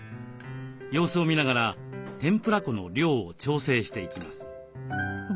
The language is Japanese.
様子を見ながら天ぷら粉の量を調整していきます。